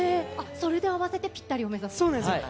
それで合わせてぴったりを目指す。